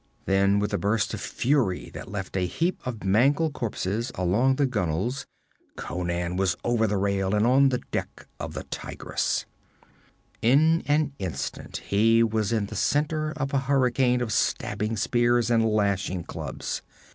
Then, with a burst of fury that left a heap of mangled corpses along the gunwales, Conan was over the rail and on the deck of the Tigress. In an instant he was the center of a hurricane of stabbing spears and lashing clubs.